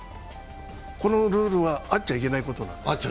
このルールはあっちゃいけないことなんです。